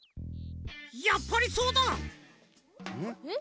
やっぱりそうだ！えっ？